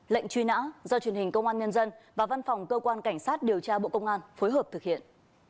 lệnh truy nã do truyền hình công an nhân dân và văn phòng cơ quan cảnh sát điều tra bộ công an phối hợp thực hiện